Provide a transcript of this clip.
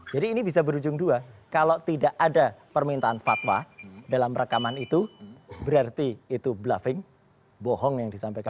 jadi ini bisa berujung dua kalau tidak ada permintaan fatwa dalam rekaman itu berarti itu bluffing bohong yang disampaikan